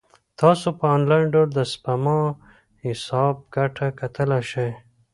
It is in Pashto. تاسو په انلاین ډول د سپما حساب ګټه کتلای شئ.